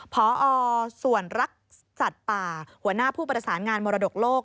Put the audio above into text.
พอส่วนรักสัตว์ป่าหัวหน้าผู้ประสานงานมรดกโลก